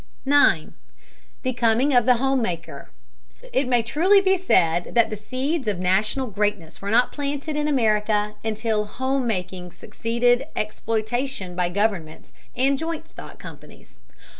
9. THE COMING OF THE HOME MAKER. It may truly be said that the seeds of national greatness were not planted in America until home making succeeded exploitation by governments and joint stock companies.